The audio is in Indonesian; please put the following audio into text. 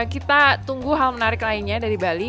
kita tunggu hal menarik lainnya dari bali